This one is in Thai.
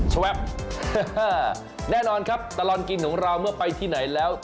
แน่นอนครับตลอดกินของเราเมื่อไปที่ไหนแล้ว